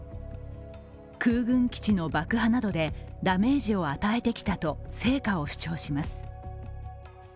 空軍基地の爆破などでダメージを与えてきたと成果を主張します。